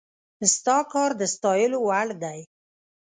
ستا کار د ستايلو وړ دی